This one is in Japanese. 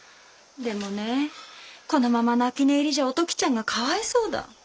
でもねこのまま泣き寝入りじゃお時ちゃんがかわいそうだ。